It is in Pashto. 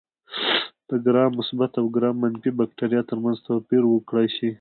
د ګرام مثبت او ګرام منفي بکټریا ترمنځ توپیر وکړای شي.